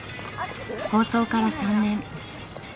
放送から３年。